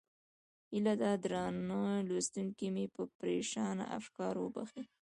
هیله ده درانه لوستونکي مې پرېشانه افکار وبښي.